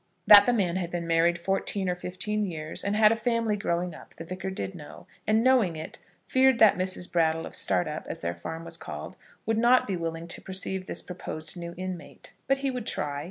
That the man had been married fourteen or fifteen years, and had a family growing up, the Vicar did know; and, knowing it, feared that Mrs. Brattle of Startup, as their farm was called, would not be willing to receive this proposed new inmate. But he would try.